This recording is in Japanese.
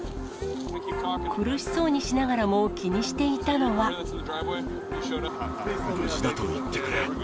苦しそうにしながらも気にしてい無事だと言ってくれ。